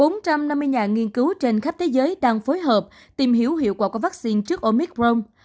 bốn trăm năm mươi nhà nghiên cứu trên khắp thế giới đang phối hợp tìm hiểu hiệu quả của vaccine trước omicron